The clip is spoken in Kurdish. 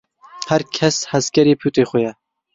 Her kes hezkerê pûtê xwe ye.